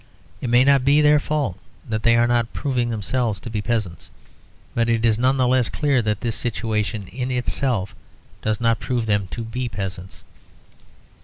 It may not be their fault that they are not proving themselves to be peasants; but it is none the less clear that this situation in itself does not prove them to be peasants.